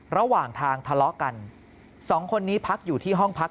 ระหว่างทางทะเลาะกันสองคนนี้พักอยู่ที่ห้องพัก